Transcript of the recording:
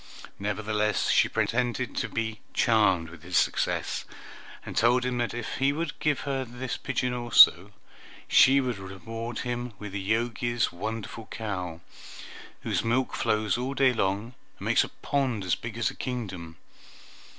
Nevertheless she pretended to be charmed with his success, and told him that if he would give her this pigeon also, she would reward him with the Jogi's wonderful cow, whose milk flows all day long, and makes a pond as big as a kingdom.